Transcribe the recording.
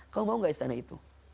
kau mau gak istana itu